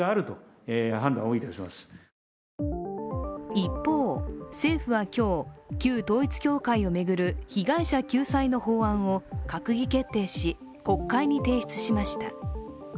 一方、政府は今日、旧統一教会を巡る被害者救済の法案を閣議決定し、国会に提出しました。